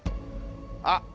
あっ！